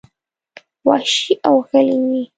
وحشي او غلي وې.